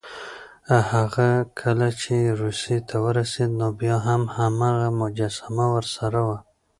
هغه کله چې روسيې ته ورسېد، نو بیا هم هماغه مجسمه ورسره وه.